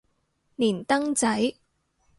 連登仔